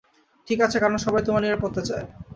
ঠিক আছে, কারণ সবাই তোমার নিরাপত্তা চায়।